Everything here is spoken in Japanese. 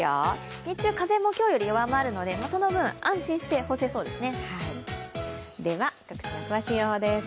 日中、今日より風も弱まるので、その分、安心して干せそうですね。